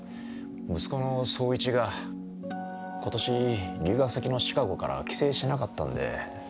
息子の総一が今年留学先のシカゴから帰省しなかったんで。